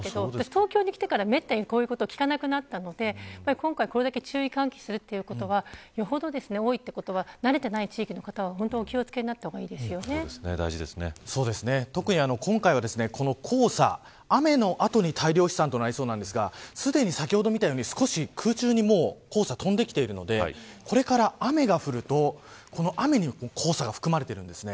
東京に来てからめったにこういうことを聞かなくなったので今回、これだけ注意喚起するということはよほど多いということは慣れていない地域の方は特に今回は黄砂、雨の後に大量飛散となりそうですがすでに先ほど見たように、空中にすでに黄砂が飛んできているのでこれから雨が降るとこの雨に黄砂が含まれているんです。